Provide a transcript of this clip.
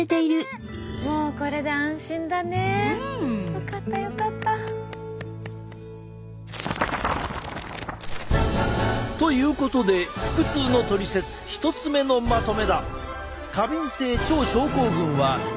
よかったよかった。ということで腹痛のトリセツ１つ目のまとめだ！